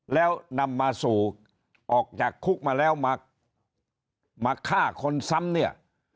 แล้วนำมาสู่ออกจากคุกมาแล้วมาฆ่าคนซ้ำเนี่ย